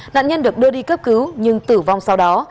nạn nhân được đưa đi cấp cứu nhưng tử vong sau đó